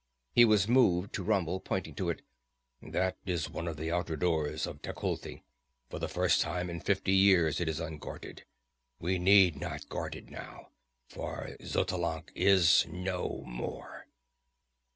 He was moved to rumble, pointing to it: "That is one of the outer doors of Tecuhltli. For the first time in fifty years it is unguarded. We need not guard it now, for Xotalanc is no more."